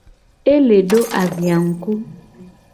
E le do azia ngku.